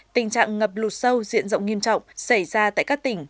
tình trạng ngập lụt sâu diện rộng nghiêm trọng xảy ra tại các tỉnh